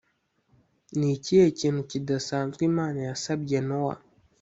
ni ikihe kintu kidasanzwe imana yasabye nowa‽